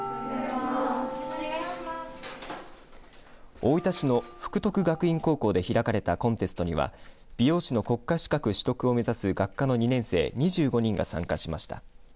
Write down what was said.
大分市の福徳学院高校で開かれたコンテストには美容師の国家資格取得を目指す学科の２年生２５人が参加しました。